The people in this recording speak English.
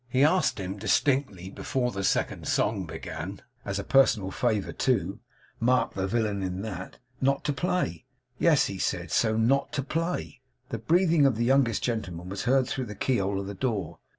He asked him distinctly, before the second song began as a personal favour too, mark the villain in that not to play. Yes; he said so; not to play. The breathing of the youngest gentleman was heard through the key hole of the door.